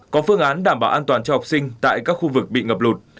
có phương án đảm bảo an toàn cho học sinh tại các khu vực bị ngập lụt